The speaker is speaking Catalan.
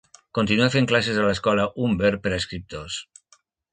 Continua fent classes a l'escola Humber per a escriptors.